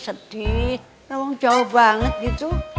sedih memang jauh banget gitu